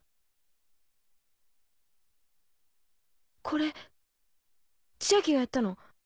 これ千昭がやったの？